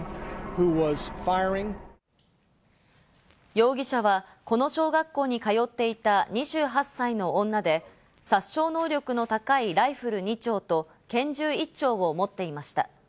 容疑者はこの小学校に通っていた２８歳の女で、殺傷能力の高い、ライフル２丁と拳銃１丁を持っていました。